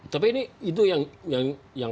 tapi ini itu yang